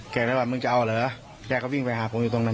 แกไม่ว่ามึงจะเอาเหรอแกก็วิ่งไปหาผมอยู่ตรงนั้น